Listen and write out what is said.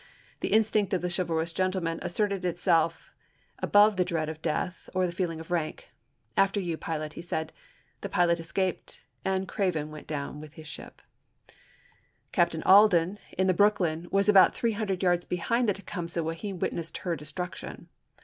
The instinct of the chivalrous gentleman as serted itself above the dread of death or the feel ing of rank. "After you, pilot," he said. The pilot escaped and Craven went down with his Aldento <3hin Farragut, bI11P' 3?cer?tary Captain Alden, in the Brooklyn, was about three ^Na^y hundred yards behind the Tecumseh when he wit ^422/ nessed her destruction.